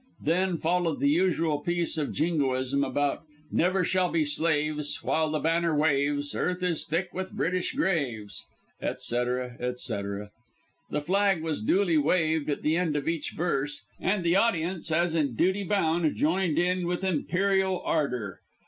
Then followed the usual piece of Jingoism about "never shall be slaves, while the banner waves, earth is thick with British graves," etc., etc. The flag was duly waved at the end of each verse, and the audience, as in duty bound, joined in with imperial ardour.